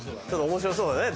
面白そうだね。